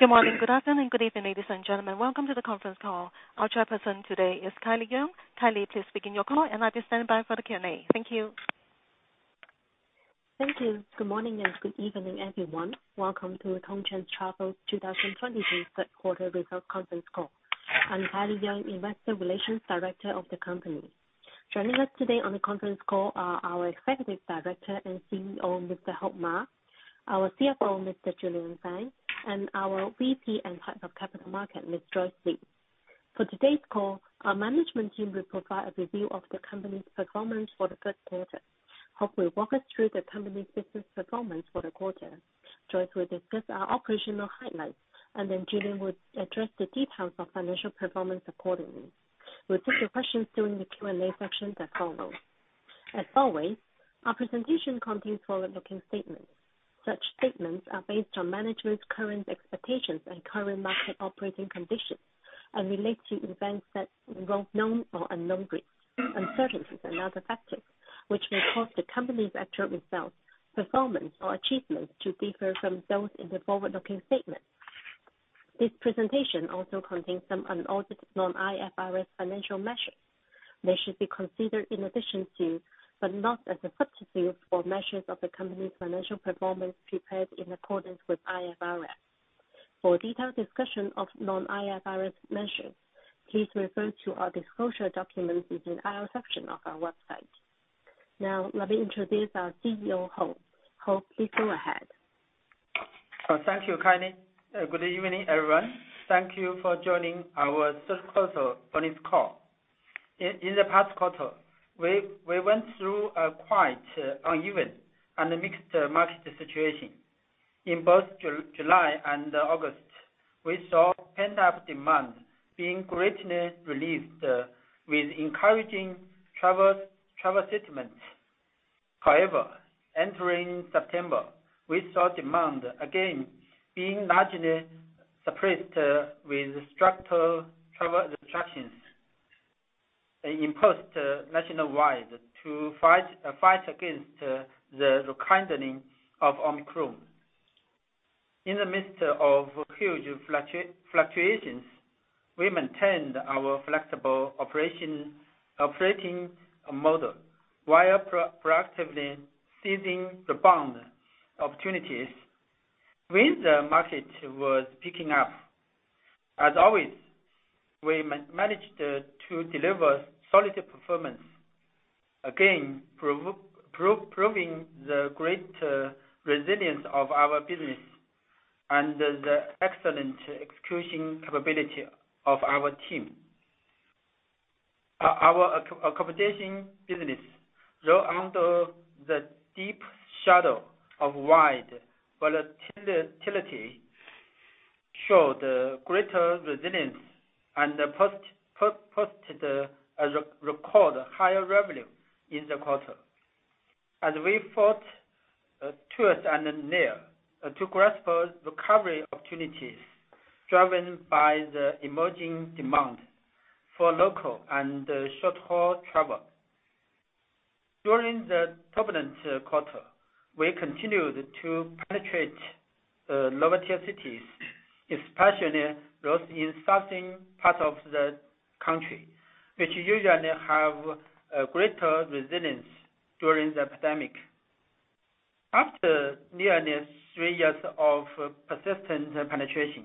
Good morning, good afternoon, good evening, ladies and gentlemen. Welcome to the conference call. Our chairperson today is Kylie Yeung. Kylie, please begin your call, and I'll be standing by for the Q&A. Thank you Thank you. Good morning and good evening, everyone. Welcome to Tongcheng Travel's 2022 Q3 result conference call. I'm Kylie Yeung, Investor Relations Director of the company. Joining us today on the conference call are our Executive Director and CEO, Mr. Ma Heping, our CFO, Mr. Fan Lei, and our VP and Head of Capital Market, Ms. Joyce Li. For today's call, our management team will provide a review of the company's performance for the Q3. Hope will walk us through the company's business performance for the quarter. Joyce will discuss our operational highlights, and then Julian will address the details of financial performance accordingly. We'll take your questions during the Q&A section that follows. As always, our presentation contains forward-looking statements. Such statements are based on management's current expectations and current market operating conditions and relate to events that involve known or unknown risks, uncertainties, and other factors, which may cause the company's actual results, performance, or achievements to differ from those in the forward-looking statement. This presentation also contains some unaudited non-IFRS financial measures. They should be considered in addition to, but not as a substitute for measures of the company's financial performance prepared in accordance with IFRS. For a detailed discussion of non-IFRS measures, please refer to our disclosure documents in the IR section of our website. Let me introduce our CEO, Hope. Hope, please go ahead. Thank you, Kylie. Good evening, everyone. Thank you for joining our third quarter earnings call. In the past quarter, we went through a quite uneven and mixed market situation. In both July and August, we saw pent-up demand being greatly released with encouraging travel sentiments. However, entering September, we saw demand again being largely suppressed with structural travel restrictions imposed nationwide to fight against the rekindling of Omicron. In the midst of huge fluctuations, we maintained our flexible operating model while proactively seizing the bound opportunities when the market was picking up. As always, we managed to deliver solid performance, again, proving the great resilience of our business and the excellent execution capability of our team. Our accommodation business, though under the deep shadow of wide volatility, showed greater resilience and posted a record higher revenue in the quarter as we fought tooth and nail to grasp recovery opportunities driven by the emerging demand for local and short-haul travel. During the turbulent quarter, we continued to penetrate lower tier cities, especially those in southern part of the country, which usually have a greater resilience during the pandemic. After nearly three years of persistent penetration,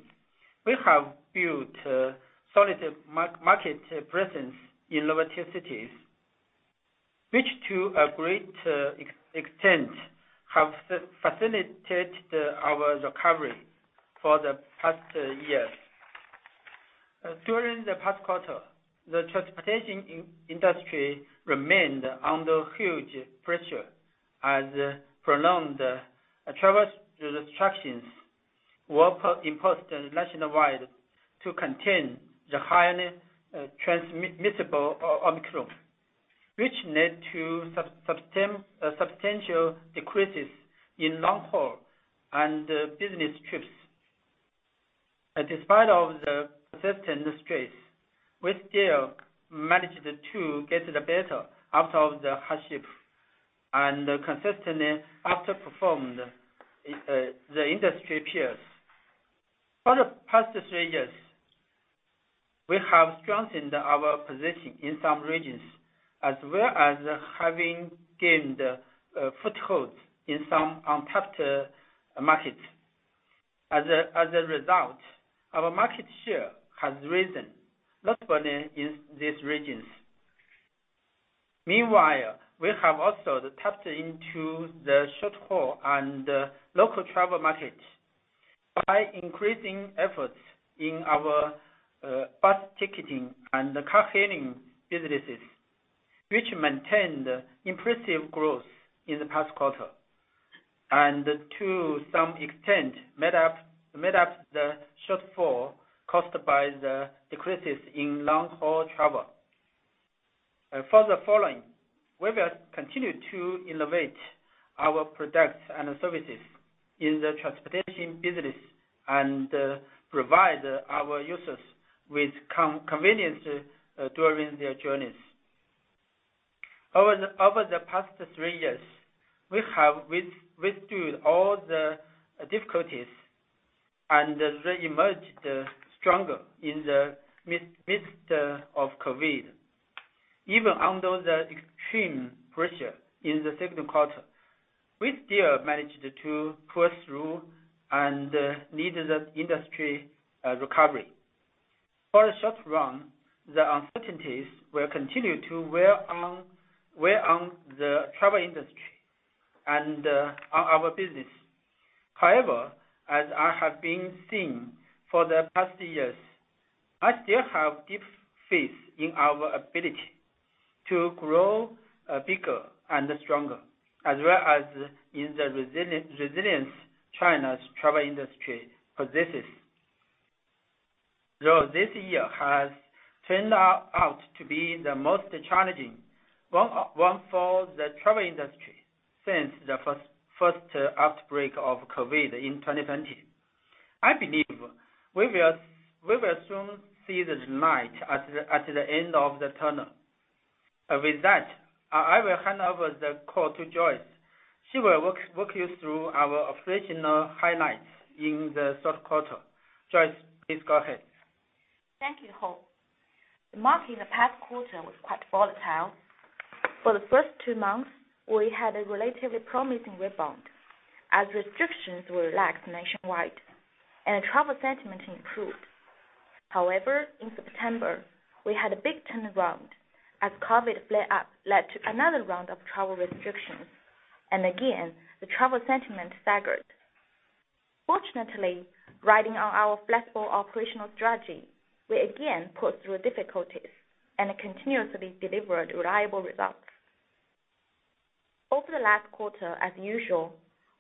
we have built a solid market presence in lower tier cities, which to a great extent have facilitated our recovery for the past years. During the past quarter, the transportation industry remained under huge pressure as prolonged travel restrictions were imposed nationwide to contain the highly transmittable Omicron, which led to substantial decreases in long-haul and business trips. Despite of the persistent stress, we still managed to get the better out of the hardship and consistently outperformed the industry peers. For the past three years, we have strengthened our position in some regions, as well as having gained foothold in some untapped markets. As a result, our market share has risen, notably in these regions. Meanwhile, we have also tapped into the short-haul and local travel market by increasing efforts in our bus ticketing and carpooling businesses, which maintained impressive growth in the past quarter. To some extent, made up the shortfall caused by the decreases in long-haul travel. For the following, we will continue to innovate our products and services in the transportation business and provide our users with convenience during their journeys. Over the past three years, we have withstood all the difficulties and reemerged stronger in the midst of COVID. Even under the extreme pressure in the Q2, we still managed to push through and lead the industry recovery. For the short run, the uncertainties will continue to wear on the travel industry and on our business. However, as I have been seeing for the past years, I still have deep faith in our ability to grow bigger and stronger, as well as in the resilience China's travel industry possesses. Though this year has turned out to be the most challenging one for the travel industry since the first outbreak of COVID-19 in 2020, I believe we will soon see the light at the end of the tunnel. With that, I will hand over the call to Joyce. She will walk you through our operational highlights in the Q3. Joyce, please go ahead. Thank you, Hope. The market in the past quarter was quite volatile. For the first two months, we had a relatively promising rebound as restrictions were relaxed nationwide and travel sentiment improved. However, in September, we had a big turnaround as COVID-19 flare up led to another round of travel restrictions. Again, the travel sentiment staggered. Fortunately, riding on our flexible operational strategy, we again pushed through difficulties and continuously delivered reliable results. Over the last quarter, as usual,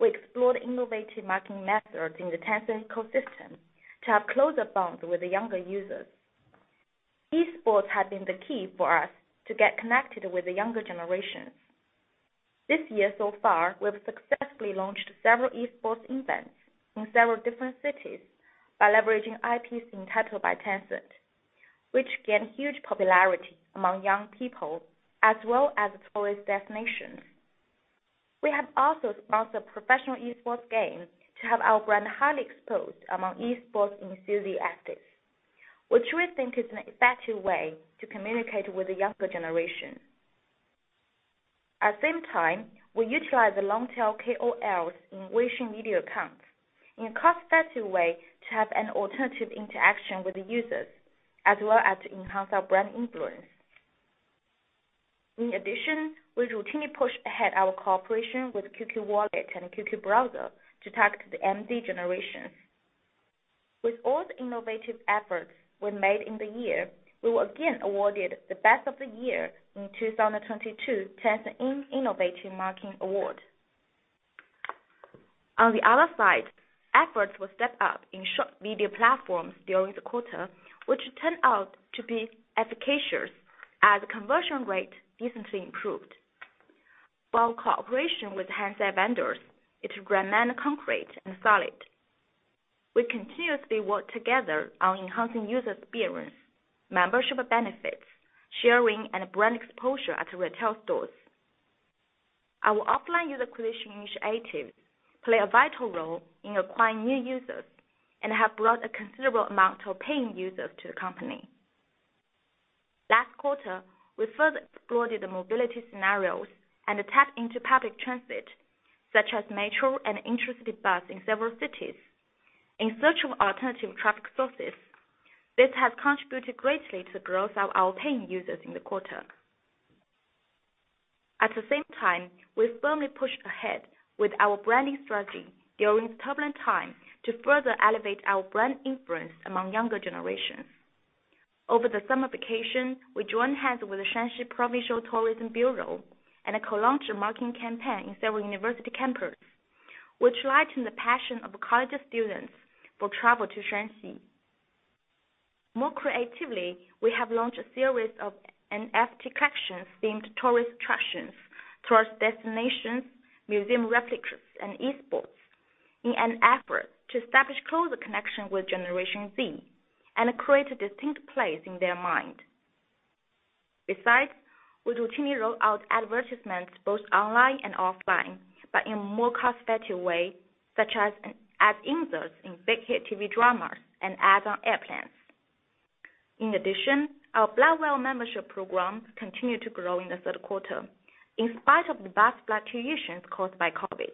we explored innovative marketing methods in the Tencent ecosystem to have closer bonds with the younger users. Esports have been the key for us to get connected with the younger generation. This year so far, we've successfully launched several Esports events in several different cities by leveraging IPs entitled by Tencent, which gained huge popularity among young people as well as tourist destinations. We have also sponsored professional esports games to have our brand highly exposed among esports enthusiasts, which we think is an effective way to communicate with the younger generation. At the same time, we utilize the long-tail KOLs in WeChat media accounts in a cost-effective way to have an alternative interaction with the users, as well as to enhance our brand influence. In addition, we routinely push ahead our cooperation with QQ Wallet and QQ Browser to target the MZ generation. With all the innovative efforts we made in the year, we were again awarded the Best of the Year in 2022 Tencent Innovative Marketing Award. On the other side, efforts were stepped up in short video platforms during the quarter, which turned out to be efficacious as conversion rate decently improved. While cooperation with handset vendors is remain concrete and solid. We continuously work together on enhancing user experience, membership benefits, sharing, and brand exposure at retail stores. Our offline user acquisition initiatives play a vital role in acquiring new users and have brought a considerable amount of paying users to the company. Last quarter, we further explored the mobility scenarios and tapped into public transit, such as metro and intercity bus in several cities. In search of alternative traffic sources, this has contributed greatly to the growth of our paying users in the quarter. At the same time, we firmly pushed ahead with our branding strategy during this turbulent time to further elevate our brand influence among younger generations. Over the summer vacation, we joined hands with the Shanxi Provincial Tourism Bureau and co-launched a marketing campaign in several university campuses, which lighten the passion of college students for travel to Shanxi. More creatively, we have launched a series of NFT collections themed tourist attractions towards destinations, museum replicas, and esports in an effort to establish closer connection with Generation Z and create a distinct place in their mind. We routinely roll out advertisements both online and offline, but in a more cost-effective way, such as ad inserts in big hit TV dramas and ads on airplanes. Our Black Whale membership program continued to grow in the Q3 in spite of the vast fluctuations caused by COVID.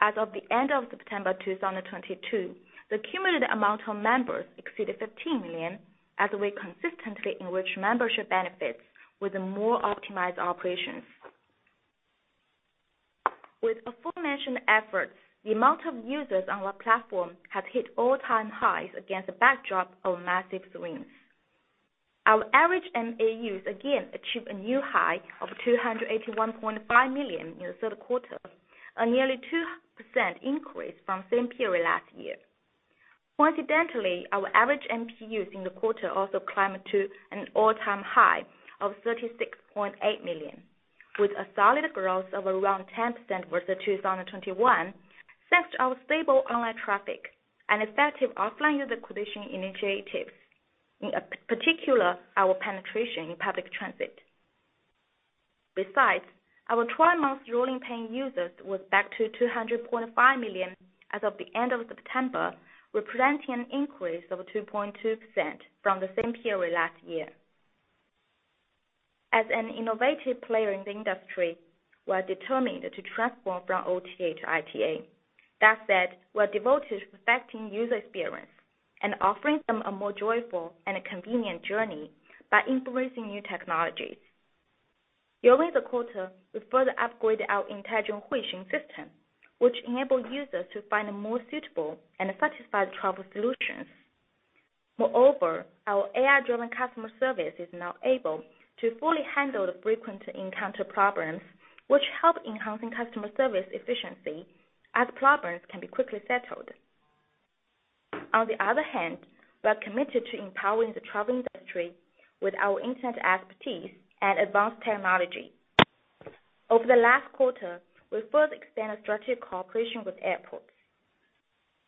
As of the end of September 2022, the cumulative amount of members exceeded 15 million as we consistently enrich membership benefits with more optimized operations. With aforementioned efforts, the amount of users on our platform has hit all-time highs against the backdrop of massive swings. Our average MAUs again achieved a new high of 281.5 million in theQ3, a nearly 2% increase from same period last year. Coincidentally, our average MPUs in the quarter also climbed to an all-time high of 36.8 million. With a solid growth of around 10% versus 2021, thanks to our stable online traffic and effective offline user acquisition initiatives, in particular, our penetration in public transit. Besides, our 12-month rolling paying users was back to 200.5 million as of the end of September, representing an increase of 2.2% from the same period last year. As an innovative player in the industry, we are determined to transform from OTA to ITA. That said, we are devoted to perfecting user experience and offering them a more joyful and convenient journey by embracing new technologies. During the quarter, we further upgraded our intelligent Huixing system, which enabled users to find more suitable and satisfied travel solutions. Our AI-driven customer service is now able to fully handle the frequent encounter problems, which help enhancing customer service efficiency as problems can be quickly settled. On the other hand, we are committed to empowering the travel industry with our internet expertise and advanced technology. Over the last quarter, we further extended strategic cooperation with airports.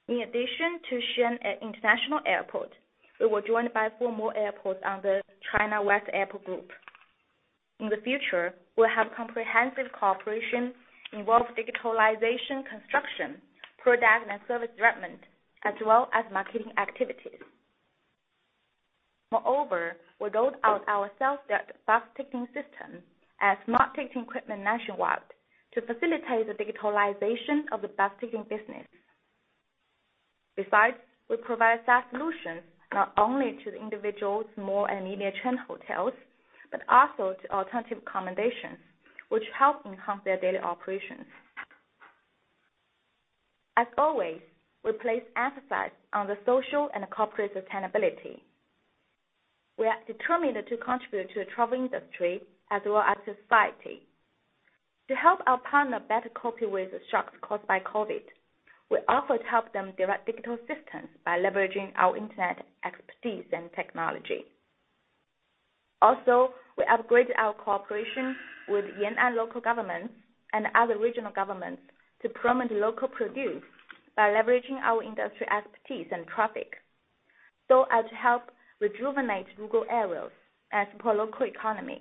In addition to Xi'an International Airport, we were joined by four more airports under China West Airport Group. In the future, we'll have comprehensive cooperation, involve digitalization construction, product and service development, as well as marketing activities. We rolled out our self-service bus ticketing system and smart ticketing equipment nationwide to facilitate the digitalization of the bus ticketing business. Besides, we provide SaaS solutions not only to the individuals, small and medium chain hotels, but also to alternative accommodations which help enhance their daily operations. As always, we place emphasis on the social and corporate sustainability. We are determined to contribute to the travel industry as well as society. To help our partners better cope with the shocks caused by COVID-19, we offered to help them direct digital systems by leveraging our internet expertise and technology. Also, we upgraded our cooperation with Yan'an local government and other regional governments to promote local produce by leveraging our industry expertise and traffic so as to help rejuvenate rural areas and support local economy.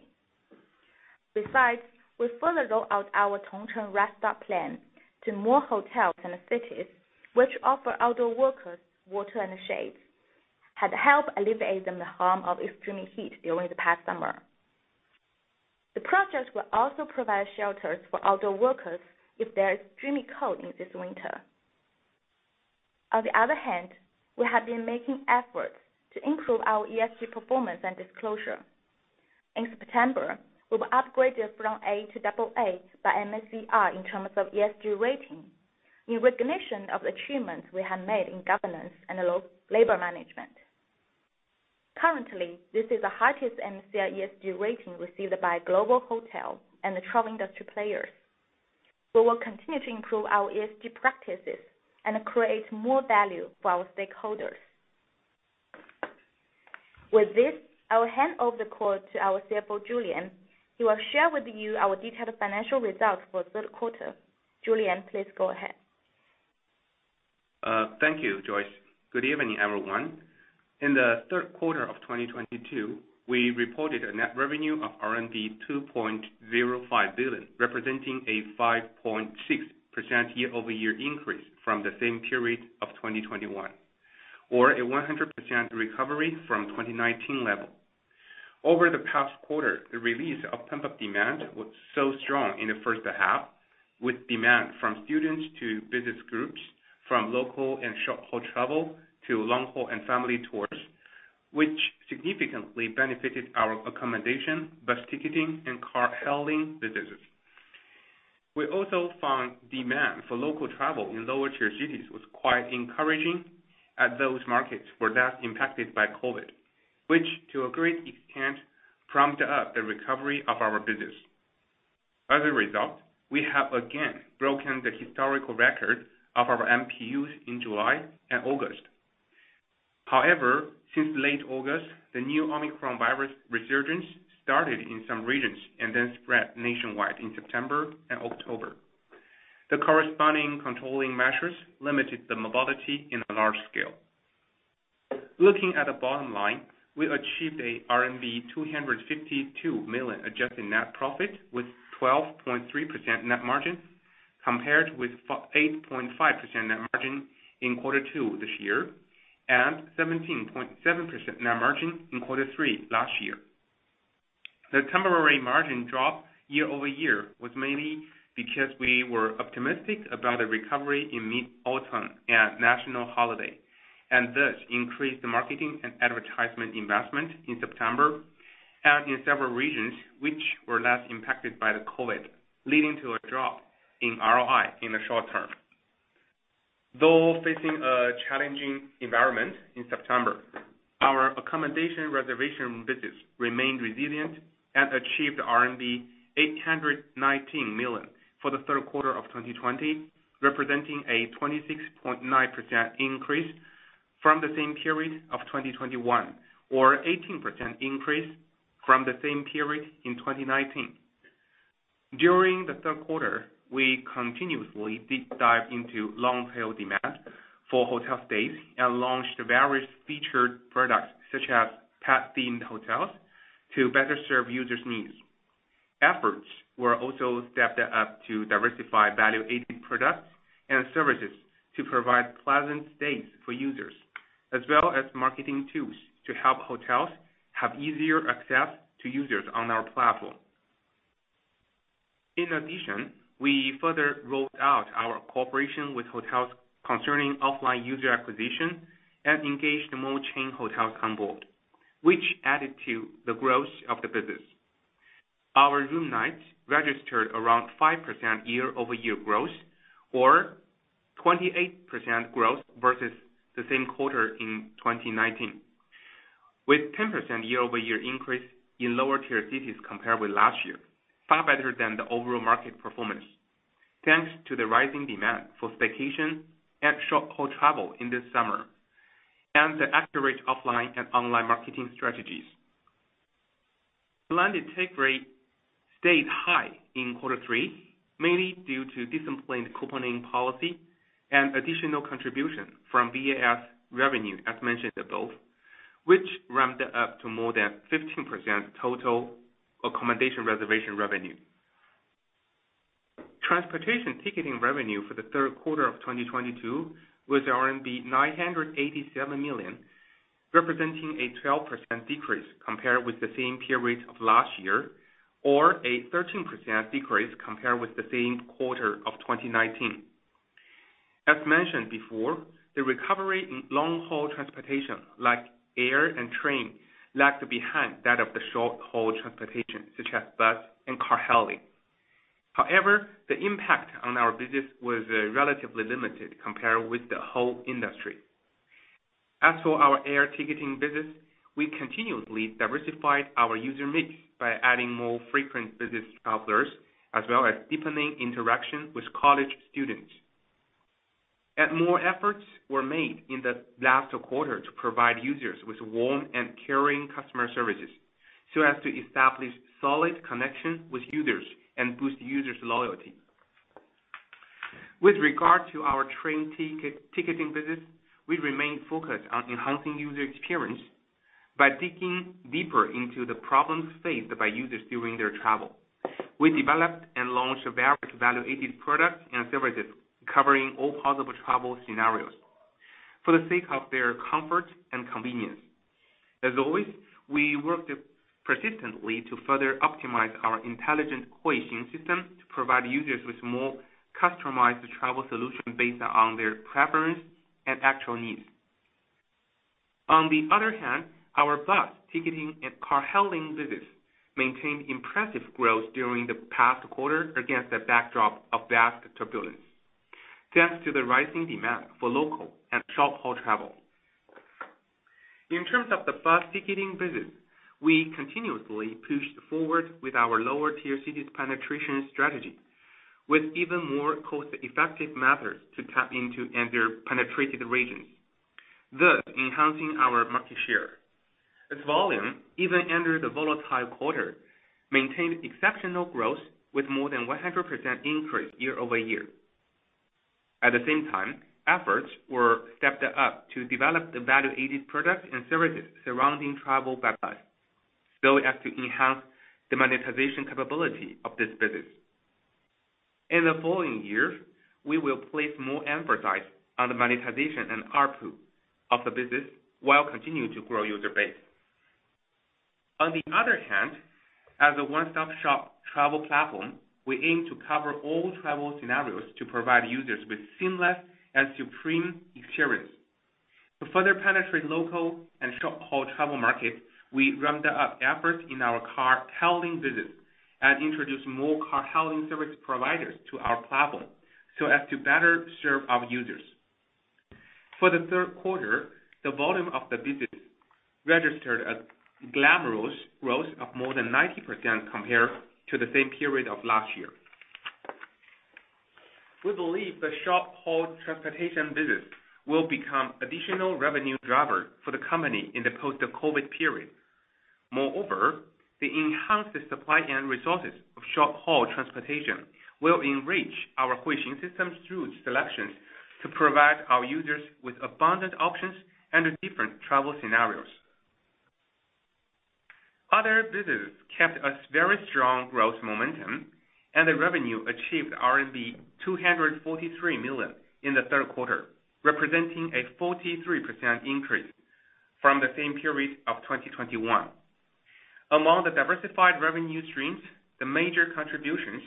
Besides, we further roll out our Tongcheng Rest Stop plan to more hotels and cities, which offer outdoor workers water and shades, had helped alleviate them the harm of extremely heat during the past summer. The project will also provide shelters for outdoor workers if they're extremely cold in this winter. On the other hand, we have been making efforts to improve our ESG performance and disclosure. In September, we were upgraded from A to AA by MSCI in terms of ESG rating, in recognition of the achievements we have made in governance and labor management. Currently, this is the highest MSCI ESG rating received by global hotel and travel industry players. We will continue to improve our ESG practices and create more value for our stakeholders. With this, I will hand over the call to our CFO, Julian, who will share with you our detailed financial results for the Q3. Julian, please go ahead. Thank you, Joyce. Good evening, everyone. In the Q3 of 2022, we reported a net revenue of 2.05 billion, representing a 5.6% year-over-year increase from the same period of 2021, or a 100% recovery from 2019 level. Over the past quarter, the release of pent-up demand was so strong in the first half, with demand from students to business groups, from local and short-haul travel to long-haul and family tours, which significantly benefited our accommodation, bus ticketing, and car hailing businesses. We also found demand for local travel in lower-tier cities was quite encouraging as those markets were less impacted by COVID, which to a great extent, prompted up the recovery of our business. As a result, we have again broken the historical record of our MPUs in July and August. Since late August, the new Omicron resurgence started in some regions and then spread nationwide in September and October. The corresponding controlling measures limited the mobility in a large scale. Looking at the bottom line, we achieved a RMB 252 million adjusted net profit with 12.3% net margin compared with 8.5% net margin in Q2 this year, and 17.7% net margin in Q3 last year. The temporary margin drop year-over-year was mainly because we were optimistic about the recovery in Mid-Autumn and National Holiday, and thus increased the marketing and advertisement investment in September and in several regions which were less impacted by the COVID-19, leading to a drop in ROI in the short term. Though facing a challenging environment in September, our accommodation reservation business remained resilient and achieved RMB 819 million for the Q3 of 2020, representing a 26.9% increase from the same period of 2021, or 18% increase from the same period in 2019. During the Q3, we continuously deep dive into long tail demand for hotel stays and launched various featured products such as pet-themed hotels to better serve users' needs. Efforts were also stepped up to diversify value-added products and services to provide pleasant stays for users, as well as marketing tools to help hotels have easier access to users on our platform. In addition, we further rolled out our cooperation with hotels concerning offline user acquisition and engaged more chain hotels on board, which added to the growth of the business. Our room nights registered around 5% year-over-year growth or 28% growth versus the same quarter in 2019, with 10% year-over-year increase in lower tier cities compared with last year, far better than the overall market performance. Thanks to the rising demand for staycation and short-haul travel in this summer and the accurate offline and online marketing strategies. Landed take rate stayed high in Q3, mainly due to disciplined couponing policy and additional contribution from VAS revenue, as mentioned above, which ramped up to more than 15% total accommodation reservation revenue. Transportation ticketing revenue for the Q3 of 2022 was RMB 987 million, representing a 12% decrease compared with the same period of last year, or a 13% decrease compared with the same quarter of 2019. As mentioned before, the recovery in long-haul transportation, like air and train, lagged behind that of the short-haul transportation, such as bus and car hailing. The impact on our business was relatively limited compared with the whole industry. As for our air ticketing business, we continuously diversified our user mix by adding more frequent business travelers, as well as deepening interaction with college students. More efforts were made in the last quarter to provide users with warm and caring customer services so as to establish solid connection with users and boost users' loyalty. With regard to our train ticketing business, we remain focused on enhancing user experience by digging deeper into the problems faced by users during their travel. We developed and launched various value-added products and services covering all possible travel scenarios for the sake of their comfort and convenience. As always, we worked persistently to further optimize our intelligent Huixing system to provide users with more customized travel solution based on their preference and actual needs. Our bus ticketing and car hailing business maintained impressive growth during the past quarter against the backdrop of vast turbulence, thanks to the rising demand for local and short-haul travel. In terms of the bus ticketing business, we continuously pushed forward with our lower tier cities penetration strategy with even more cost-effective methods to tap into under-penetrated regions, thus enhancing our market share. Its volume, even under the volatile quarter, maintained exceptional growth with more than 100% increase year-over-year. Efforts were stepped up to develop the value-added products and services surrounding travel by bus so as to enhance the monetization capability of this business. In the following years, we will place more emphasis on the monetization and ARPU of the business while continuing to grow user base. On the other hand, as a one-stop-shop travel platform, we aim to cover all travel scenarios to provide users with seamless and supreme experience. To further penetrate local and short-haul travel markets, we ramped up efforts in our car hailing business and introduced more car hailing service providers to our platform so as to better serve our users. For the Q3, the volume of the business registered a glamorous growth of more than 90% compared to the same period of last year. We believe the short-haul transportation business will become additional revenue driver for the company in the post-COVID period. Moreover, the enhanced supply and resources of short-haul transportation will enrich our Huixing system's route selections to provide our users with abundant options under different travel scenarios. Other businesses kept a very strong growth momentum, and the revenue achieved RMB 243 million in the Q3, representing a 43% increase from the same period of 2021. Among the diversified revenue streams, the major contributions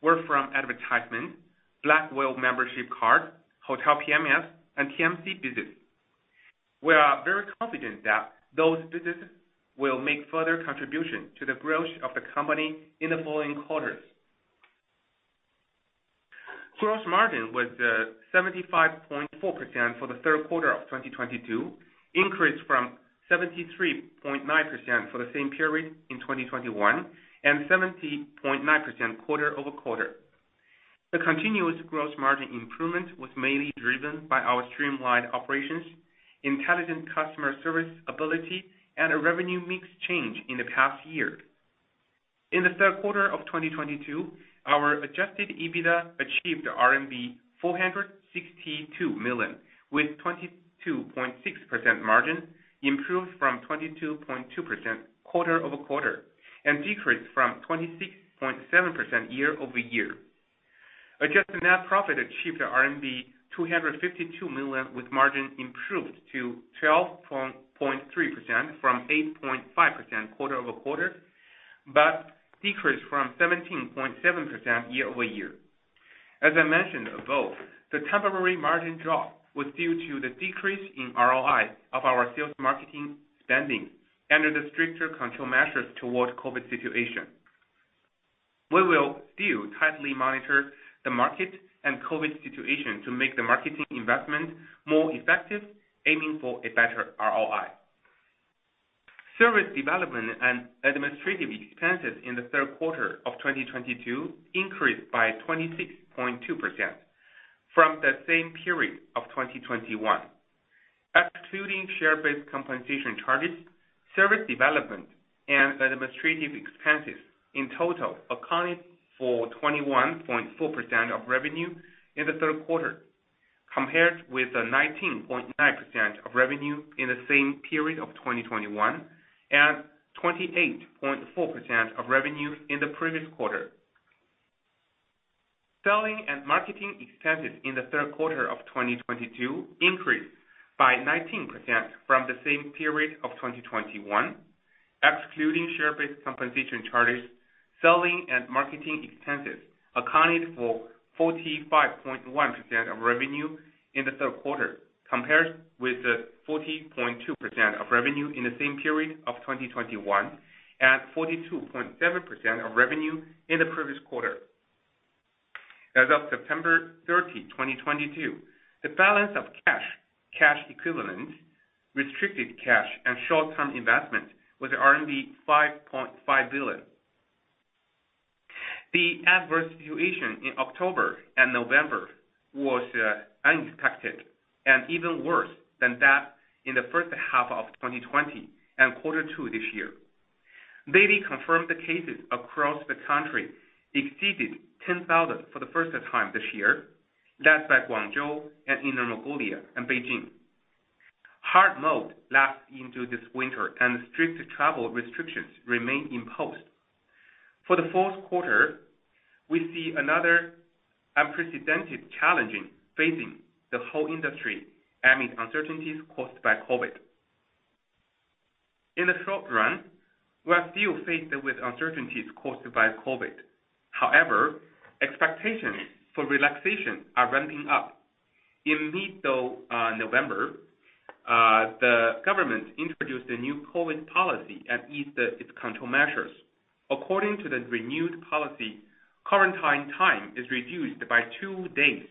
were from advertisement, Black Whale membership card, hotel PMS, and TMC business. We are very confident that those businesses will make further contribution to the growth of the company in the following quarters. Gross margin was 75.4% for the Q3 of 2022, increased from 73.9% for the same period in 2021 and 70.9% quarter-over-quarter. The continuous gross margin improvement was mainly driven by our streamlined operations, intelligent customer service ability, and a revenue mix change in the past year. In theQ3 of 2022, our adjusted EBITDA achieved RMB 462 million, with 22.6% margin improved from 22.2% quarter-over-quarter, decreased from 26.7% year-over-year. Adjusted net profit achieved the RMB 252 million with margin improved to 12.3% from 8.5% quarter-over-quarter, decreased from 17.7% year-over-year. As I mentioned above, the temporary margin drop was due to the decrease in ROI of our sales marketing spending under the stricter control measures towards COVID-19 situation. We will still tightly monitor the market and COVID-19 situation to make the marketing investment more effective, aiming for a better ROI. Service development and administrative expenses in the Q3 of 2022 increased by 26.2% from the same period of 2021. Excluding share-based compensation charges, service development and administrative expenses in total accounted for 21.4% of revenue in the Q3, compared with the 19.9% of revenue in the same period of 2021 and 28.4% of revenue in the previous quarter. Selling and marketing expenses in the Q3 of 2022 increased by 19% from the same period of 2021. Excluding share-based compensation charges, selling and marketing expenses accounted for 45.1% of revenue in the Q3, compared with the 40.2% of revenue in the same period of 2021 and 42.7% of revenue in the previous quarter. As of September 30, 2022, the balance of cash equivalents, restricted cash and short-term investment was RMB 5.5 billion. The adverse situation in October and November was unexpected and even worse than that in the first half of 2020 and Q2 this year. Daily confirmed cases across the country exceeded 10,000 for the first time this year, led by Guangzhou and Inner Mongolia and Beijing. Hard mode lasts into this winter and strict travel restrictions remain imposed. For the Q4, we see another unprecedented challenging facing the whole industry amid uncertainties caused by COVID. In the short run, we are still faced with uncertainties caused by COVID. However, expectations for relaxation are ramping up. In mid-November, the government introduced a new COVID policy and eased its control measures. According to the renewed policy, quarantine time is reduced by two days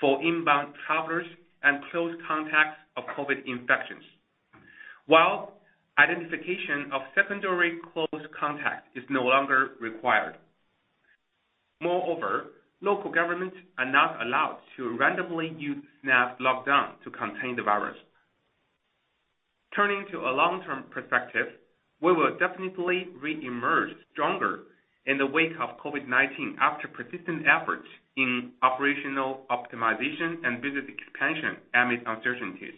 for inbound travelers and close contacts of COVID infections, while identification of secondary close contact is no longer required. Moreover, local governments are not allowed to randomly use snap lockdown to contain the virus. Turning to a long-term perspective, we will definitely reemerge stronger in the wake of COVID-19 after persistent efforts in operational optimization and business expansion amid uncertainties.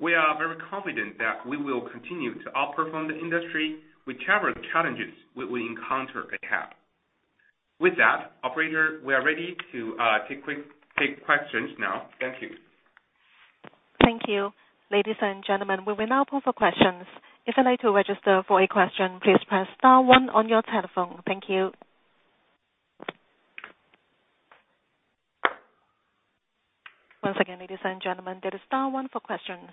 We are very confident that we will continue to outperform the industry whichever challenges we will encounter ahead. With that, operator, we are ready to take questions now. Thank you. Thank you. Ladies and gentlemen, we will now open for questions. If you'd like to register for a question, please press star one on your telephone. Thank you. Once again, ladies and gentlemen, dial star one for questions.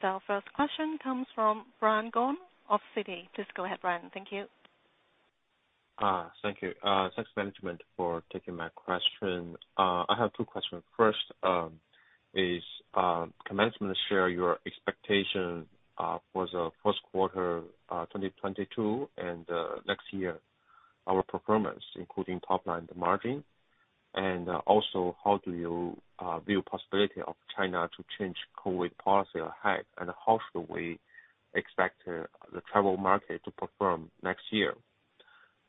Our first question comes from Brian Gong of Citi. Please go ahead, Brian. Thank you. Thank you. Thanks management for taking my question. I have two questions. First, can management share your expectation for the Q1 2022 and next year, our performance, including top line, the margin? Also, how do you view possibility of China to change COVID policy ahead, and how should we expect the travel market to perform next year?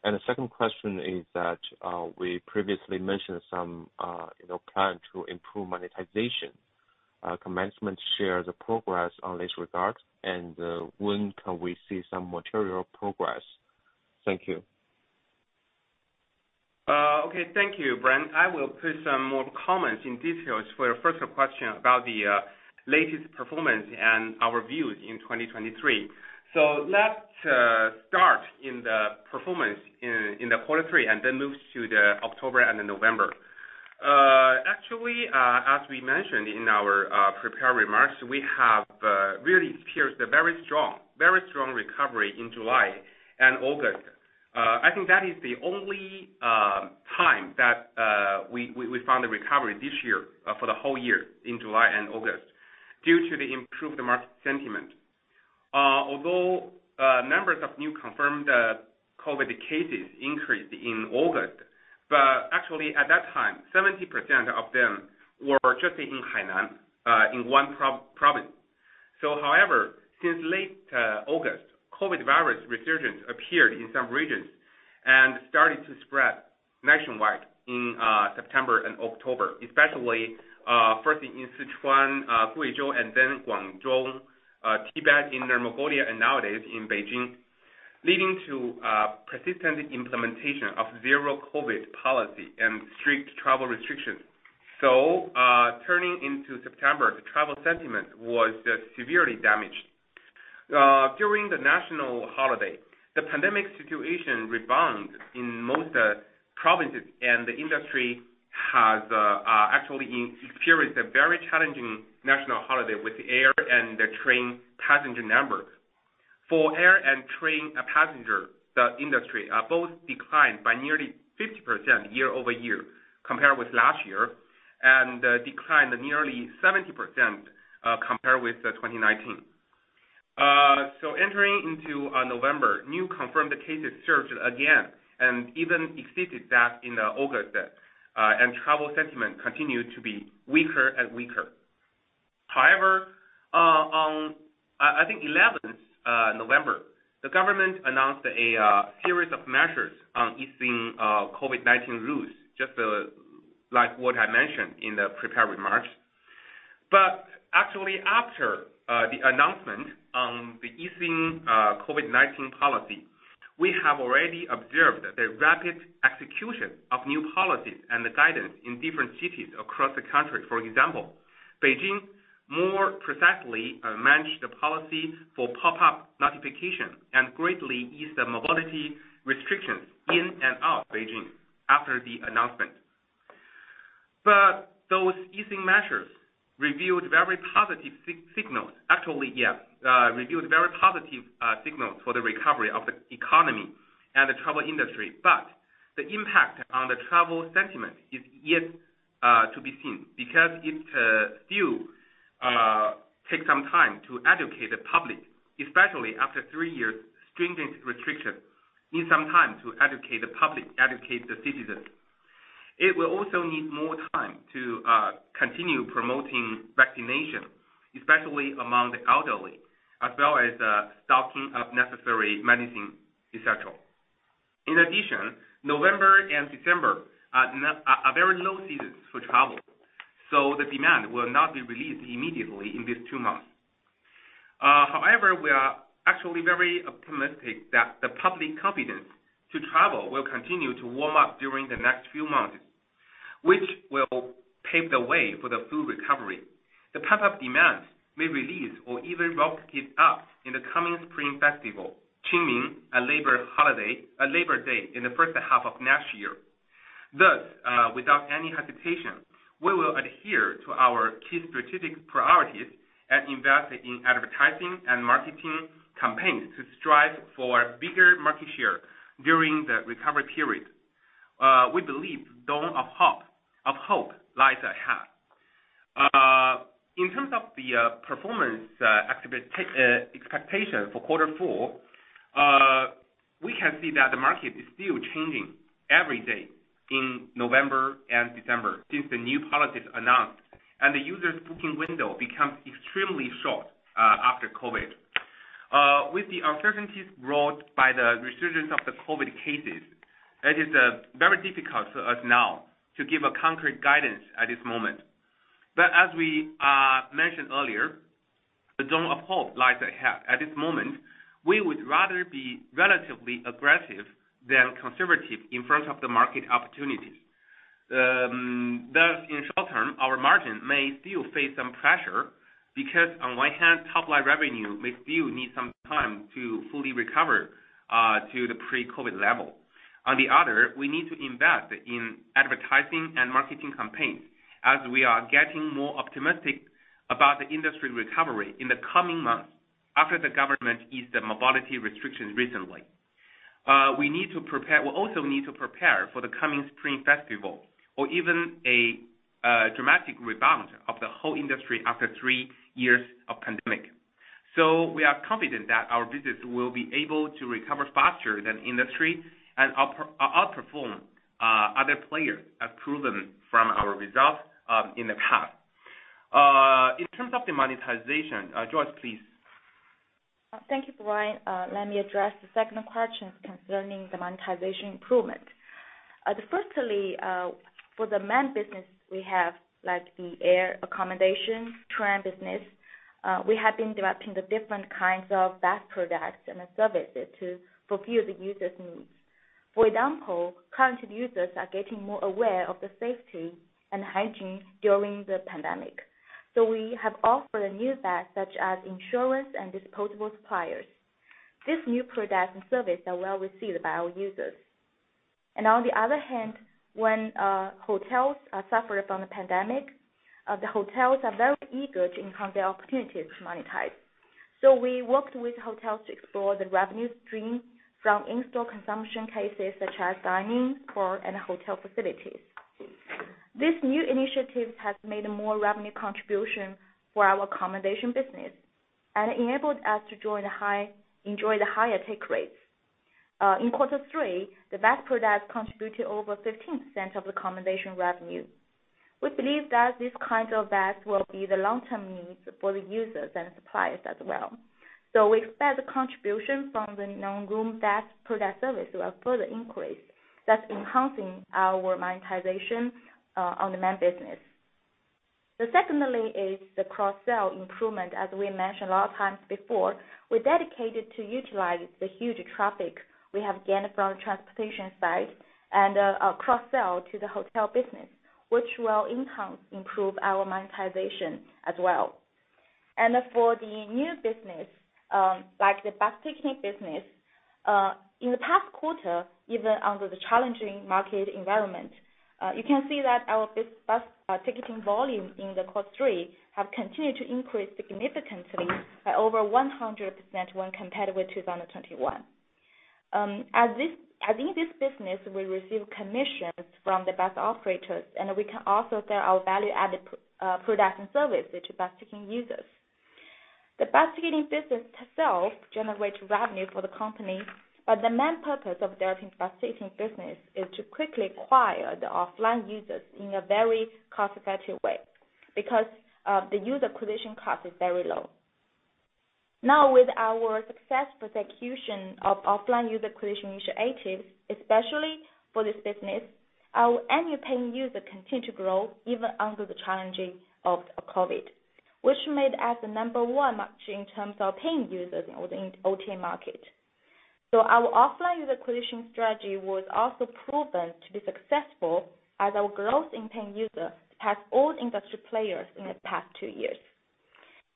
The second question is that we previously mentioned some, you know, plan to improve monetization. Can management share the progress on this regard, and when can we see some material progress? Thank you. Okay. Thank you, Brian. I will put some more comments in details for your first question about the latest performance and our views in 2023. Let's start in the performance in the Q3 and then move to the October and November. Actually, as we mentioned in our prepared remarks, we have really experienced a very strong recovery in July and August. I think that is the only time that we found a recovery this year for the whole year in July and August, due to the improved market sentiment. Although numbers of new confirmed COVID cases increased in August, but actually at that time, 70% of them were just in Hainan, in one province. However, since late August, COVID virus resurgence appeared in some regions and started to spread nationwide in September and October, especially first in Sichuan, Guizhou and then Guangdong, Tibet, Inner Mongolia, and nowadays in Beijing, leading to persistent implementation of zero COVID policy and strict travel restrictions. Turning into September, the travel sentiment was severely damaged. During the National Holiday, the pandemic situation rebound in most provinces, and the industry has actually experienced a very challenging National Holiday with air and the train passenger numbers. For air and train passenger, the industry both declined by nearly 50% year-over-year compared with last year, and declined nearly 70% compared with 2019. Entering into November, new confirmed cases surged again and even exceeded that in August, travel sentiment continued to be weaker and weaker. On 11th November, the government announced a series of measures on easing COVID-19 rules, just like what I mentioned in the prepared remarks. Actually after the announcement on the easing COVID-19 policy, we have already observed the rapid execution of new policies and the guidance in different cities across the country. For example, Beijing more precisely managed the policy for pop-up notification and greatly eased the mobility restrictions in and out of Beijing after the announcement. Those easing measures revealed very positive signals for the recovery of the economy and the travel industry. The impact on the travel sentiment is yet to be seen because it still takes some time to educate the public, especially after three years stringent restriction, need some time to educate the public, educate the citizens. It will also need more time to continue promoting vaccination, especially among the elderly, as well as stocking up necessary medicine, et cetera. In addition, November and December are very low seasons for travel, so the demand will not be released immediately in these two months. However, we are actually very optimistic that the public confidence to travel will continue to warm up during the next few months, which will pave the way for the full recovery. The pent-up demand may release or even rocket up in the coming Spring Festival, Qingming and Labor Day in the first half of next year. Without any hesitation, we will adhere to our key strategic priorities and invest in advertising and marketing campaigns to strive for bigger market share during the recovery period. We believe dawn of hope lies ahead. In terms of the performance expectation for Q4, we can see that the market is still changing every day in November and December since the new policies announced, and the users' booking window becomes extremely short after COVID. With the uncertainties brought by the resurgence of the COVID cases, it is very difficult for us now to give a concrete guidance at this moment. As we mentioned earlier, the dawn of hope lies ahead. At this moment, we would rather be relatively aggressive than conservative in front of the market opportunities. Thus, in short term, our margin may still face some pressure because on one hand, top line revenue may still need some time to fully recover to the pre-COVID-19 level. On the other, we need to invest in advertising and marketing campaigns as we are getting more optimistic about the industry recovery in the coming months after the government eased the mobility restrictions recently. We also need to prepare for the coming Spring Festival or even a dramatic rebound of the whole industry after three years of pandemic. We are confident that our business will be able to recover faster than industry and outperform other players, as proven from our results in the past. In terms of the monetization, Joyce, please. Thank you, Brian. Let me address the second question concerning the monetization improvement. Firstly, for the main business we have, like the air accommodation train business, we have been developing the different kinds of VAS products and services to fulfill the users' needs. For example, current users are getting more aware of the safety and hygiene during the pandemic. We have offered a new VAS such as insurance and disposable suppliers. These new products and service are well received by our users. On the other hand, when hotels are suffered from the pandemic, the hotels are very eager to encounter opportunities to monetize. We worked with hotels to explore the revenue stream from in-store consumption cases such as dining or and hotel facilities. These new initiatives have made more revenue contribution for our accommodation business and enabled us to join the high... enjoy the higher take rates. In Q3, the VAS products contributed over 15% of the accommodation revenue. We believe that this kind of VAS will be the long-term needs for the users and suppliers as well. We expect the contribution from the non-room VAS product service will further increase thus enhancing our monetization on the main business. The secondly is the cross-sell improvement. As we mentioned a lot of times before, we're dedicated to utilize the huge traffic we have gained from transportation side and cross-sell to the hotel business, which will enhance, improve our monetization as well. For the new business, like the bus ticketing business, in the past quarter, even under the challenging market environment, you can see that our bus ticketing volume in the Q3 have continued to increase significantly by over 100% when compared with 2021. I think this business will receive commissions from the bus operators, and we can also sell our value-added product and service to bus ticketing users. The bus ticketing business itself generates revenue for the company, but the main purpose of developing bus ticketing business is to quickly acquire the offline users in a very cost-effective way because the user acquisition cost is very low. Now, with our success persecution of offline user acquisition initiatives, especially for this business, our annual paying user continue to grow even under the challenges of COVID, which made us the number one matching in terms of paying users in OTA market. Our offline user acquisition strategy was also proven to be successful as our growth in paying user passed all industry players in the past two years.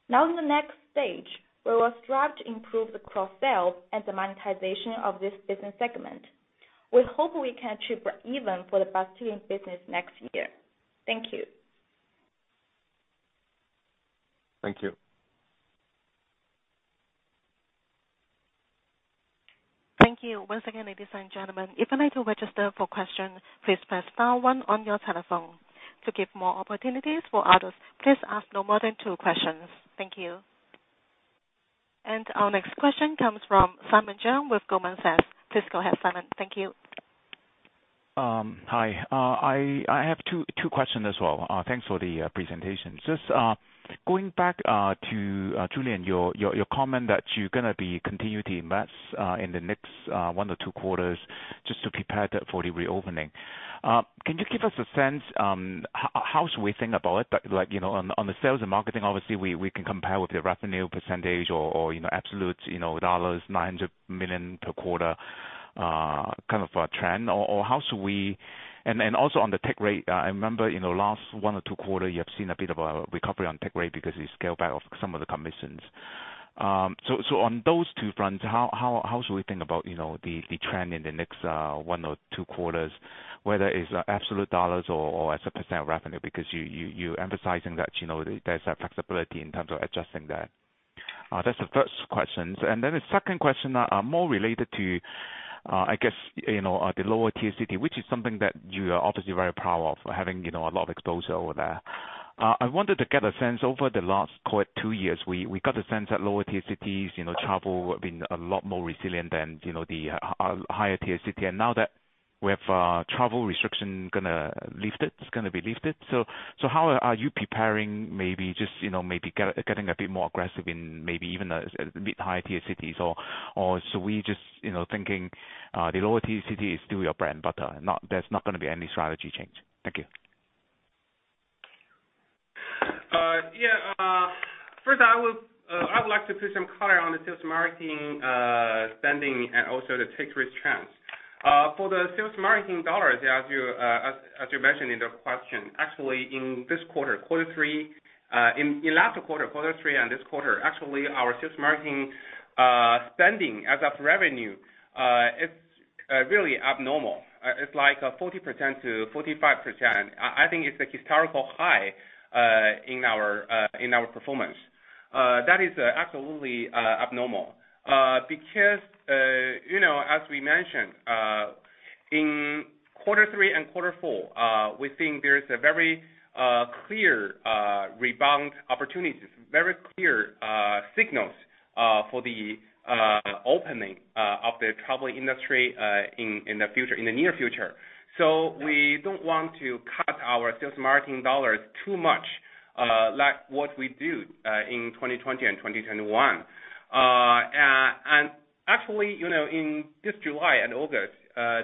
Now, in the next stage, we will strive to improve the cross-sell and the monetization of this business segment. We hope we can achieve even for the bus ticketing business next year. Thank you. Thank you. Thank you. Once again, ladies and gentlemen, if you'd like to register for question, please press star one on your telephone. To give more opportunities for others, please ask no more than two questions. Thank you. Our next question comes from Simon Cheung with Goldman Sachs. Please go ahead, Simon. Thank you. Hi. I have two questions as well. Thanks for the presentation. Just going back to Julian, your comment that you're gonna be continue to invest in the next one ortwo quarters just to prepare for the reopening. Can you give us a sense, how should we think about it? Like, you know, on the sales and marketing, obviously we can compare with your revenue percentage or, you know, absolute, you know, $90 million per quarter, kind of a trend or how should we? Also on the take rate, I remember, you know, last one or two quarters you have seen a bit of a recovery on take rate because you scaled back off some of the commissions. So on those two fronts, how should we think about, you know, the trend in the next one or two quarters, whether it's absolute dollars or as a percent of revenue because you're emphasizing that, you know, there's a flexibility in terms of adjusting that. That's the first questions. The second question, more related to, I guess, you know, the lower tier city, which is something that you are obviously very proud of having, you know, a lot of exposure over there. I wanted to get a sense over the last COVID two years, we got a sense that lower tier cities, you know, travel have been a lot more resilient than, you know, the higher tier city. Now that we have, travel restriction gonna lifted, it's gonna be lifted, so how are you preparing maybe just, you know, maybe getting a bit more aggressive in maybe even a bit higher tier cities or should we just, you know, thinking, the lower tier city is still your brand, but, not, there's not gonna be any strategy change? Thank you. Yeah. First I would like to put some color on the sales marketing spending and also the take rate trends. For the sales marketing dollars, as you mentioned in the question, actually in this Q3, in last quarter Q3 and this quarter, actually our sales marketing spending as of revenue, it's really abnormal. It's like 40%-45%. I think it's a historical high in our performance. That is absolutely abnormal because, you know, as we mentioned, in Q3 and Q4, we think there's a very clear rebound opportunities, very clear signals for the opening of the travel industry in the future, in the near future. We don't want to cut our sales marketing dollars too much, like what we do in 2020 and 2021. And actually, you know, in this July and August,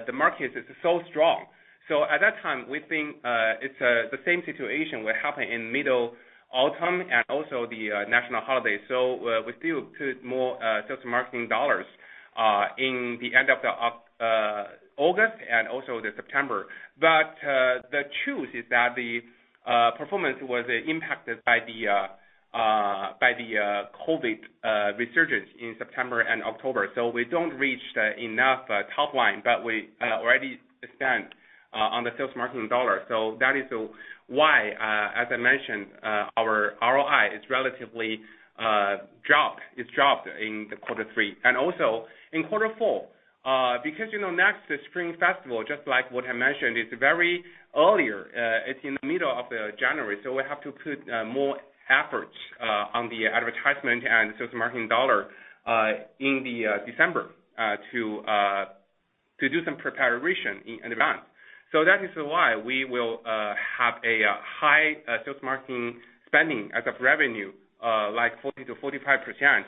the market is so strong. At that time we think it's the same situation will happen in Middle Autumn and also the National Holiday. We still put more sales marketing dollars in the end of August and also the September. The truth is that the performance was impacted by the. By the COVID resurgence in September and October. We don't reach the enough top line, but we already spent on the sales marketing dollar. That is why, as I mentioned, our ROI is relatively dropped. It's dropped in the Q3. Also in Q4, because, you know, next is Spring Festival, just like what I mentioned, it's very earlier, it's in the middle of January, so we have to put more efforts on the advertisement and sales marketing dollar in the December to do some preparation in advance. That is why we will have a high sales marketing spending as of revenue, like 40%-45%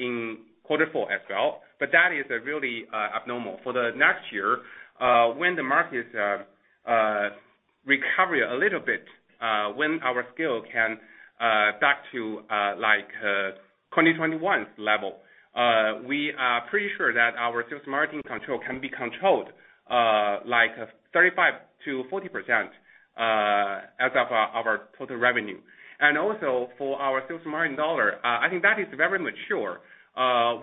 in quarter four as well. That is really abnormal. For the next year, when the markets recover a little bit, when our scale can back to like 2021's level, we are pretty sure that our sales marketing control can be controlled like 35%-40% as of our total revenue. Also for our sales marketing dollar, I think that is very mature.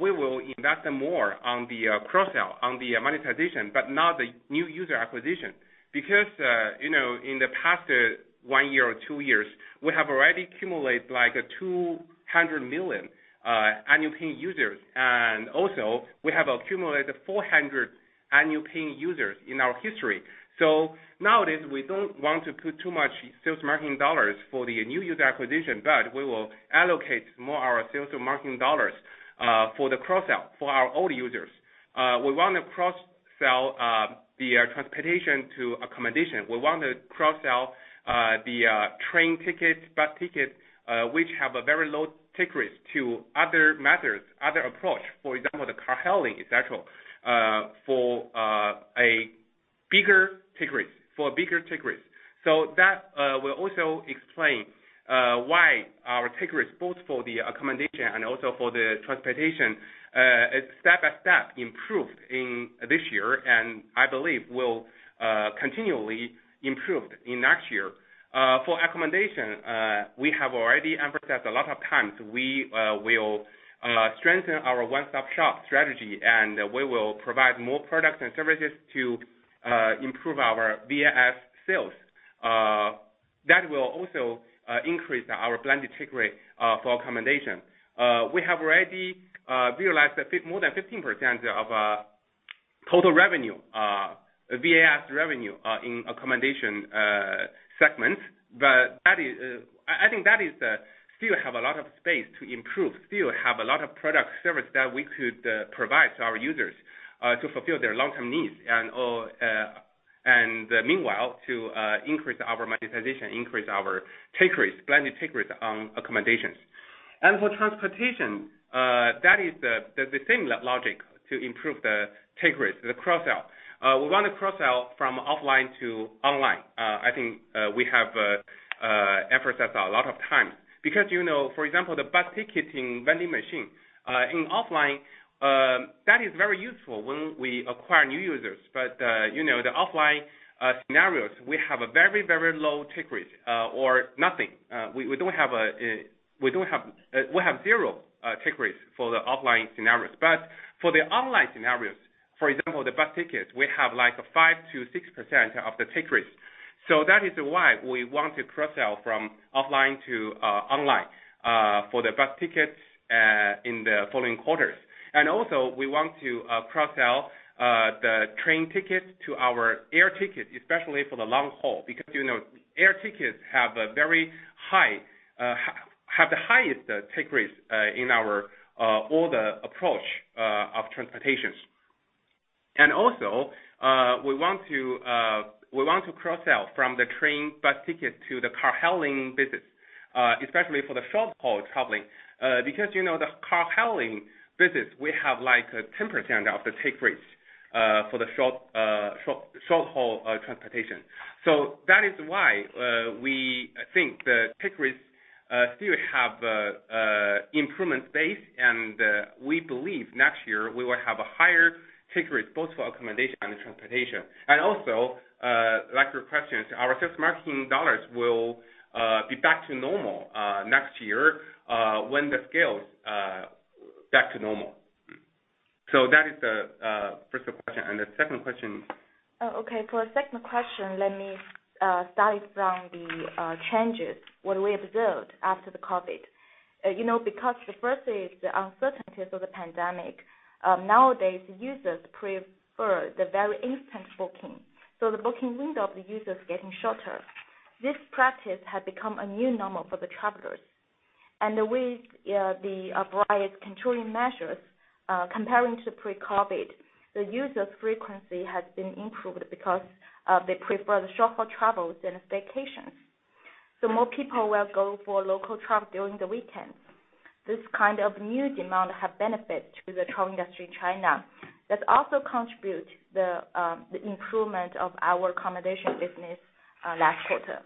We will invest more on the cross-sell, on the monetization, but not the new user acquisition. Because, you know, in the past one year or two years, we have already accumulate like 200 million annual paying users. Also we have accumulated 400 annual paying users in our history. Nowadays we don't want to put too much sales marketing dollars for the new user acquisition, but we will allocate more our sales and marketing dollars for the cross-sell for our old users. We want to cross-sell the transportation to accommodation. We want to cross-sell the train tickets, bus tickets, which have a very low take rate to other methods, other approach. For example, the car hailing, et cetera, for a bigger take rate. That will also explain why our take rate, both for the accommodation and also for the transportation, it step and step improved in this year, and I believe will continually improve in next year. For accommodation, we have already emphasized a lot of times we will strengthen our one-stop-shop strategy, and we will provide more products and services to improve our VAS sales. That will also increase our blended take rate for accommodation. We have already realized that more than 15% of total revenue, VAS revenue, in accommodation segment. But that is, I think that is, still have a lot of space to improve, still have a lot of product service that we could provide to our users to fulfill their long-term needs and meanwhile to increase our monetization, increase our take rate, blended take rate on accommodations. For transportation, that is the same logic to improve the take rate, the cross-sell. We want to cross-sell from offline to online. I think we have emphasized a lot of times. Because, you know, for example, the bus ticketing vending machine in offline, that is very useful when we acquire new users. You know, the offline scenarios, we have a very, very low take rate or nothing. We have zero take rate for the offline scenarios. For the online scenarios, for example, the bus tickets, we have like 5%-6% of the take rate. That is why we want to cross-sell from offline to online for the bus tickets in the following quarters. Also we want to cross-sell the train tickets to our air tickets, especially for the long haul, because, you know, air tickets have a very high have the highest take rate in our all the approach of transportations. Also we want to we want to cross-sell from the train bus tickets to the car hailing business, especially for the short-haul traveling. Because, you know, the car hailing business, we have like 10% of the take rates for the short-haul transportation. That is why we think the take rates still have improvement space, and we believe next year we will have a higher take rate both for accommodation and transportation. Also, like your questions, our sales marketing dollars will be back to normal next year when the scales back to normal. That is the first question. The second question? Okay. For the second question, let me start from the changes what we observed after the COVID. You know, the first is the uncertainties of the pandemic. Nowadays users prefer the very instant booking, the booking window of the user is getting shorter. This practice has become a new normal for the travelers. With the various controlling measures, comparing to pre-COVID, the user frequency has been improved because they prefer the short-haul travels than vacations. More people will go for local travel during the weekends. This kind of new demand have benefit to the travel industry in China. That also contribute the improvement of our accommodation business last quarter.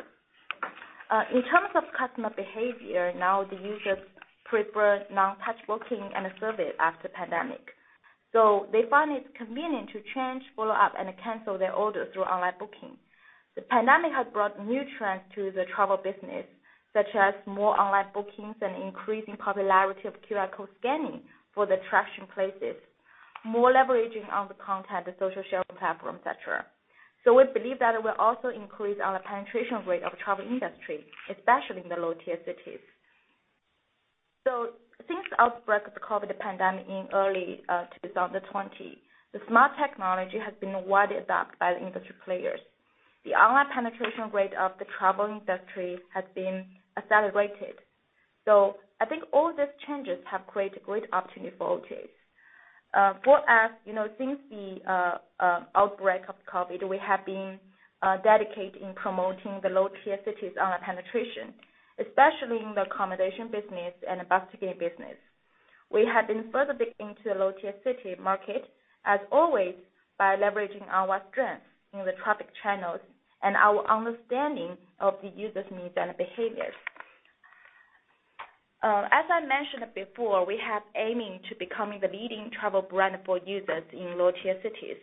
In terms of customer behavior, now the users prefer non-touch booking and service after pandemic. They find it convenient to change, follow up, and cancel their orders through online booking. The pandemic has brought new trends to the travel business, such as more online bookings and increasing popularity of QR code scanning for the attraction places, more leveraging on the content, the social sharing platform, et cetera. We believe that it will also increase our penetration rate of travel industry, especially in the low-tier cities. Since the outbreak of the COVID-19 pandemic in early 2020, the smart technology has been widely adopted by the industry players. The online penetration rate of the travel industry has been accelerated. I think all these changes have created great opportunity for Tongcheng Travel. For us, you know, since the outbreak of COVID, we have been dedicated in promoting the low-tier cities online penetration, especially in the accommodation business and bus ticketing business. We have been further digging into the low-tier city market, as always, by leveraging our strengths in the traffic channels and our understanding of the users' needs and behaviors. As I mentioned before, we have aiming to becoming the leading travel brand for users in low-tier cities.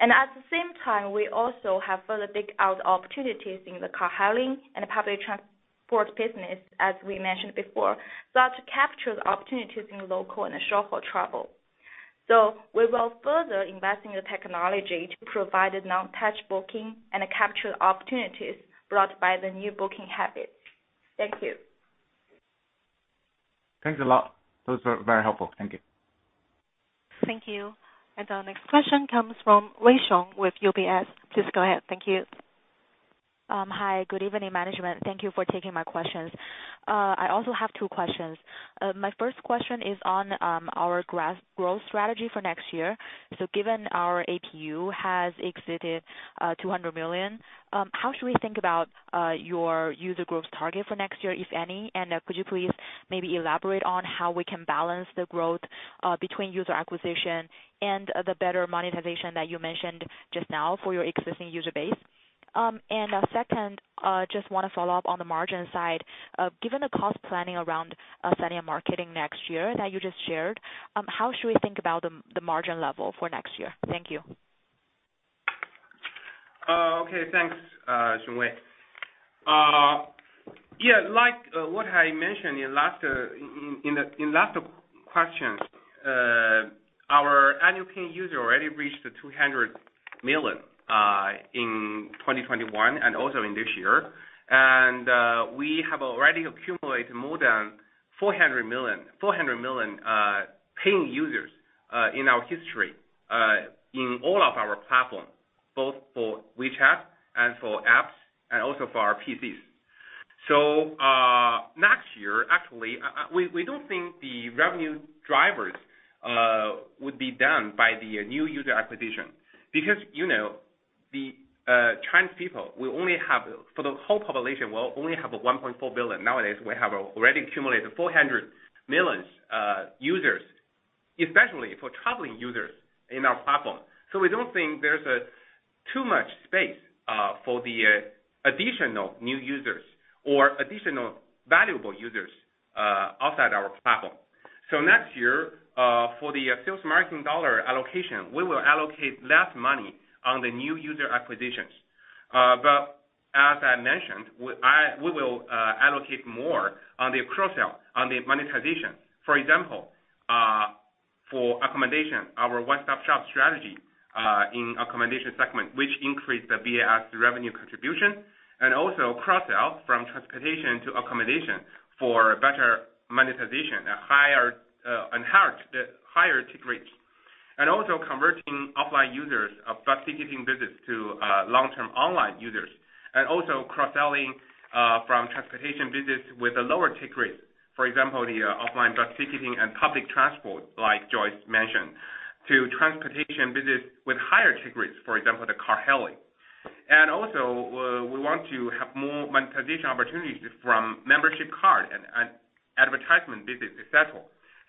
At the same time, we also have further dig out opportunities in the car hailing and public transport business, as we mentioned before, so as to capture the opportunities in local and short-haul travel. We will further invest in the technology to provide a non-touch booking and capture the opportunities brought by the new booking habits. Thank you. Thanks a lot. Those were very helpful. Thank you. Thank you. Our next question comes from Wei Xiong with UBS. Please go ahead. Thank you. Hi. Good evening, management. Thank you for taking my questions. I also have two questions. My first question is on our growth strategy for next year. Given our APU has exceeded 200 million, how should we think about your user growth target for next year, if any? Could you please maybe elaborate on how we can balance the growth between user acquisition and the better monetization that you mentioned just now for your existing user base? Second, just wanna follow up on the margin side. Given the cost planning around selling and marketing next year that you just shared, how should we think about the margin level for next year? Thank you. Okay, thanks, Xiong Wei. Yeah, like, what I mentioned in last question, our annual paying user already reached 200 million in 2021 and also in this year. We have already accumulated more than 400 million paying users in our history, in all of our platforms, both for WeChat and for apps and also for our PCs. Next year, actually, we don't think the revenue drivers would be done by the new user acquisition because, you know, the Chinese people will only have... For the whole population, we only have 1.4 billion. Nowadays, we have already accumulated 400 millions users, especially for traveling users in our platform. We don't think there's too much space for the additional new users or additional valuable users outside our platform. Next year, for the sales marketing dollar allocation, we will allocate less money on the new user acquisitions. But as I mentioned, we will allocate more on the cross-sell, on the monetization. For example, for accommodation, our one-stop-shop strategy in accommodation segment, which increased the BaaS revenue contribution and also cross-sell from transportation to accommodation for better monetization, a higher, enhanced, higher tick rates. Also converting offline users of bus ticketing business to long-term online users, and also cross-selling from transportation business with a lower tick rate. For example, the offline bus ticketing and public transport, like Joyce mentioned, to transportation business with higher tick rates, for example, the car hailing. Also, we want to have more monetization opportunities from membership card and advertisement business, et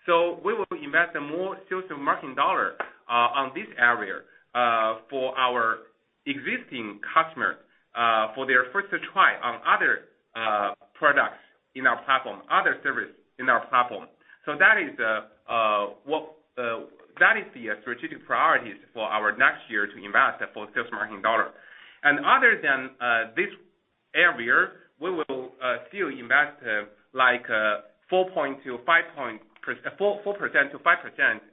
cetera. We will invest more sales and marketing dollar on this area for our existing customer for their first try on other products in our platform, other service in our platform. That is what that is the strategic priorities for our next year to invest for sales marketing dollar. Other than this area, we will still invest like 4%-5%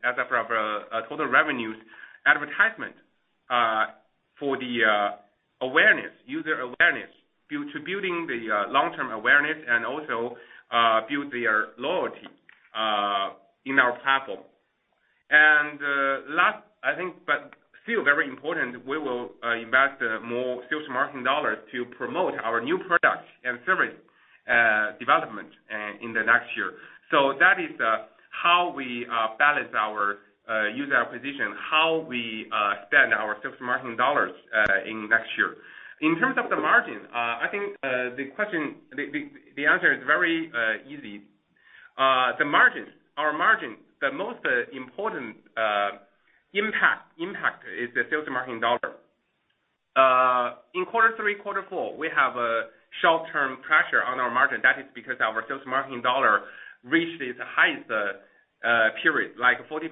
as of our total revenues advertisement for the awareness, user awareness, due to building the long-term awareness and also build their loyalty in our platform. Last, I think, but still very important, we will invest more sales marketing dollars to promote our new products and service development in the next year. That is how we balance our user acquisition, how we spend our sales marketing dollars in next year. In terms of the margin, I think the answer is very easy. The margins, our margin, the most important impact is the sales and marketing dollar. In Q3, Q4, we have a short-term pressure on our margin. That is because our sales marketing dollar reached its highest period, like 40%-45%.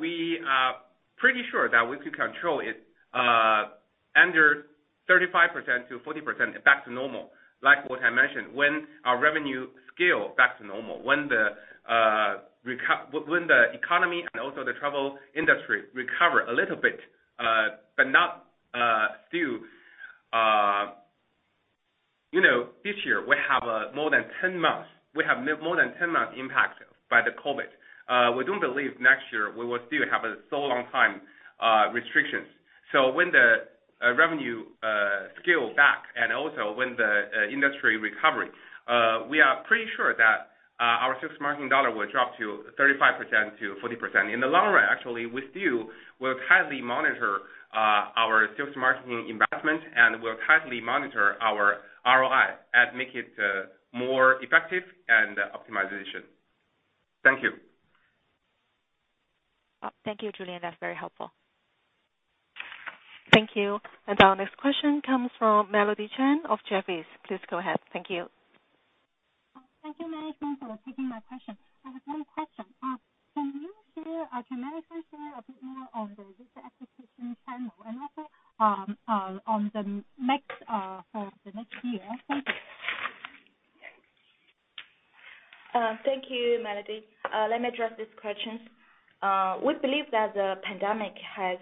We are pretty sure that we could control it under 35%-40% back to normal. Like what I mentioned, when our revenue scale back to normal, when the economy and also the travel industry recover a little bit. But not, still, you know, this year we have more than 10 months. We have more than 10 months impact by the COVID. We don't believe next year we will still have a so long time restrictions. When the revenue scale back and also when the industry recovery, we are pretty sure that our sales marketing dollar will drop to 35%-40%. In the long run, actually, we still will tightly monitor our sales marketing investment and will tightly monitor our ROI and make it more effective and optimization. Thank you. Thank you, Julian. That's very helpful. Thank you. Our next question comes from Melody Chan of Jefferies. Please go ahead. Thank you. Thank you management for taking my question. I have one question. Can management share a bit more on the user acquisition channel and also, for the next year? Thank you. Thank you, Melody. Let me address this question. We believe that the pandemic has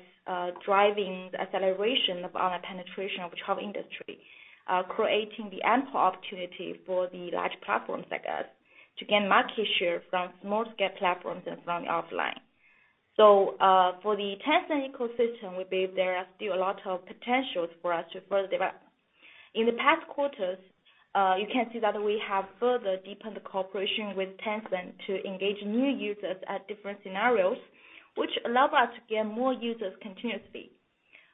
driving the acceleration of online penetration of travel industry, creating the ample opportunity for the large platforms like us to gain market share from small scale platforms and from offline. For the Tencent ecosystem, we believe there are still a lot of potentials for us to further develop. In the past quarters, you can see that we have further deepened the cooperation with Tencent to engage new users at different scenarios, which allow us to gain more users continuously.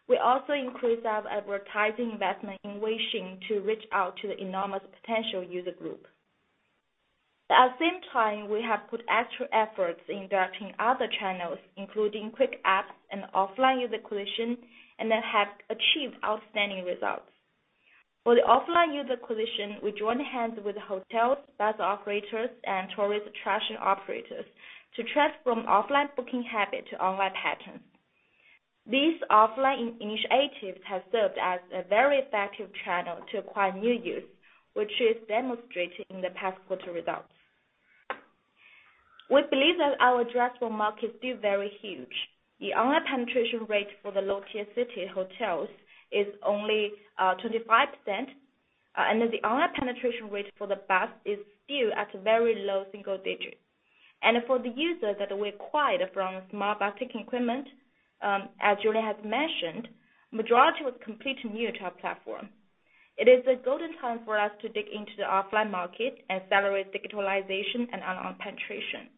We also increased our advertising investment in Weixin to reach out to the enormous potential user group. At the same time, we have put extra efforts in developing other channels, including quick apps and offline user acquisition, and that have achieved outstanding results. For the offline user acquisition, we joined hands with hotels, bus operators and tourist attraction operators to transform offline booking habit to online pattern. These offline initiatives have served as a very effective channel to acquire new users, which is demonstrated in the past quarter results. We believe that our addressable market is still very huge. The online penetration rate for the low-tier city hotels is only 25%. The online penetration rate for the bus is still at a very low single digit. For the users that we acquired from smart bus ticket equipment, as Julian has mentioned, majority was completely new to our platform. It is a golden time for us to dig into the offline market and accelerate digitalization and online penetration.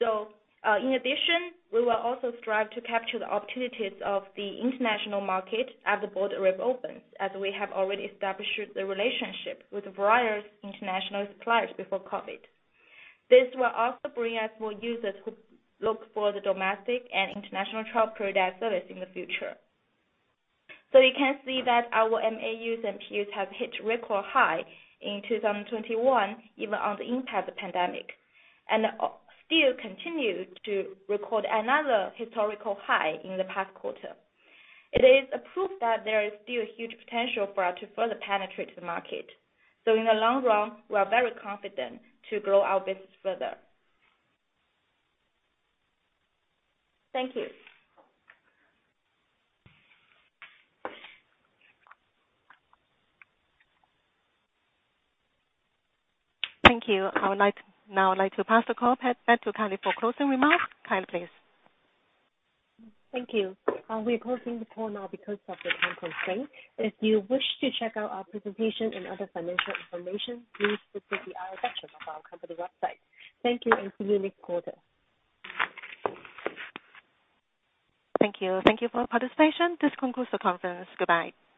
In addition, we will also strive to capture the opportunities of the international market as the border reopens, as we have already established the relationship with various international suppliers before COVID. This will also bring us more users who look for the domestic and international travel product service in the future. You can see that our MAUs and MPUs have hit record high in 2021, even on the impact of the pandemic, and still continue to record another historical high in the past quarter. It is a proof that there is still a huge potential for us to further penetrate the market. In the long run, we are very confident to grow our business further. Thank you. Thank you. Now I'd like to pass the call back to Kylie for closing remarks. Kylie, please. Thank you. We are closing the call now because of the time constraint. If you wish to check out our presentation and other financial information, please visit the IR section of our company website. Thank you and see you next quarter. Thank you. Thank you for your participation. This concludes the conference. Goodbye.